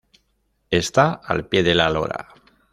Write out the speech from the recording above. Está al pie de La Lora.